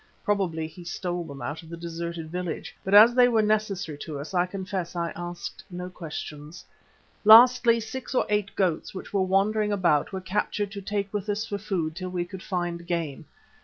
Probably he stole them out of the deserted village, but as they were necessary to us I confess I asked no questions. Lastly, six or eight goats which were wandering about were captured to take with us for food till we could find game.